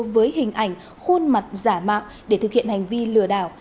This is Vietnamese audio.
với hình ảnh khôn mặt giả mạng để thực hiện hành vi lừa đảo